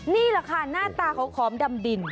นี่แหละค่ะหน้าตาเขาขอมดำดิน